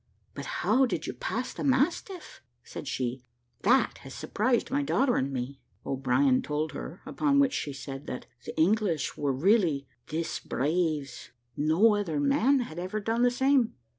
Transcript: "But how did you pass the mastiff?" said she; "that has surprised my daughter and me." O'Brien told her; upon which she said, that "the English were really `_des braves_.' No other man had ever done the same."